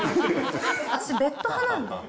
私、ベッド派なんで。